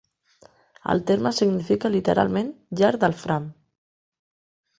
El terme significa literalment "llar del Fram".